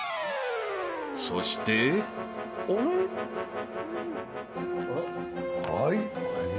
［そして］はい。